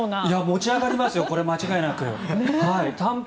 持ち上がりますよ間違いなく。